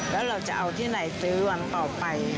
แล้วเราจะเอาที่ไหนซื้อวันต่อไป